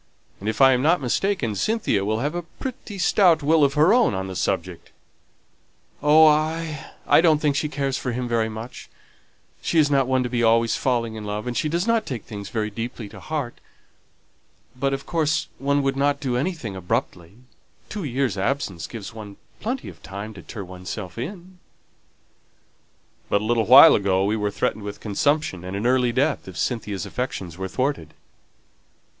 And if I am not mistaken, Cynthia will have a pretty stout will of her own on the subject." "Oh, I don't think she cares for him very much; she is not one to be always falling in love, and she does not take things very deeply to heart. But, of course, one would not do anything abruptly; two years' absence gives one plenty of time to turn oneself in." "But a little while ago we were threatened with consumption and an early death if Cynthia's affections were thwarted."